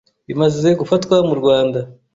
bimaze gufatwa mu Rwanda